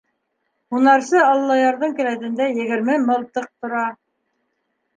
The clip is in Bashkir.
Һунарсы Аллаярҙың келәтендә егерме мылтыҡ тора.